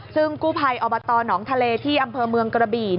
ซึ่งกู้ภัยอบตหนองทะเลที่อำเภอเมืองกระบี่